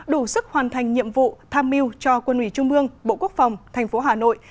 đủ sức hoàn thành nhiệm vụ tham mưu cho quân ủy trung mương bộ quốc phòng tp hà nội